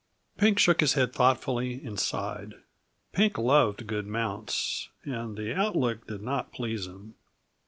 Pink shook his head thoughtfully and sighed. Pink loved good mounts, and the outlook did not please him.